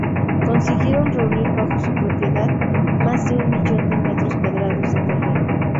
Consiguieron reunir bajo su propiedad más de un millón de metros cuadrados de terreno.